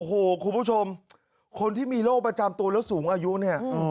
โอ้โหคุณผู้ชมคนที่มีโรคประจำตัวแล้วสูงอายุเนี่ย